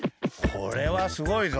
これはすごいぞ。